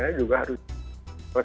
itu juga harus di cross check